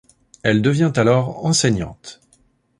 Elle devient alors enseignante.